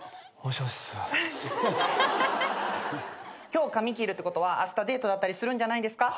今日髪切るってことはあしたデートだったりするんじゃないんですか？